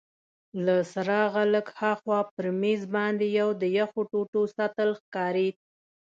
له څراغه لږ هاخوا پر مېز باندي یو د یخو ټوټو سطل ښکارید.